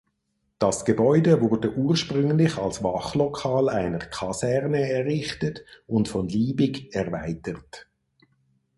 Das Gebäude wurde ursprünglich als Wachlokal einer Kaserne errichtet und von Liebig erweitert.